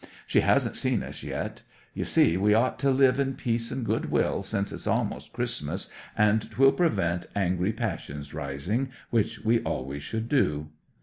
She hasn't seen us yet. You see, we ought to live in peace and good will since 'tis almost Christmas, and 'twill prevent angry passions rising, which we always should do."